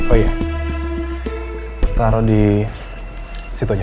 oh iya taruh di situ aja